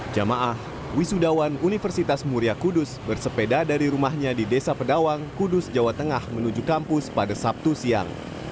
jamaah wisudawan universitas muria kudus bersepeda dari rumahnya di desa pedawang kudus jawa tengah menuju kampus pada sabtu siang